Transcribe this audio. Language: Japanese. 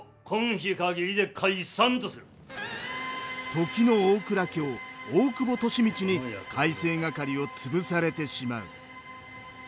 時の大蔵卿大久保利通に改正掛を潰されてしまう。